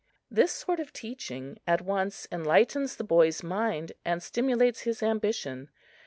This sort of teaching at once enlightens the boy's mind and stimulates his ambition.